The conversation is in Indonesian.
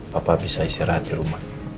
papa bisa istirahat di rumah